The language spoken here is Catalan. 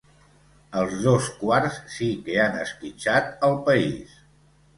Els dos quarts sí que han esquitxat el país.